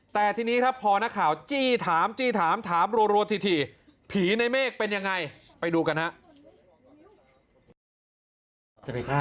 แต่ทีนี้ครับพอนักข่าวจี้ถามจี้ถามถามรัวถี่ผีในเมฆเป็นยังไงไปดูกันฮะ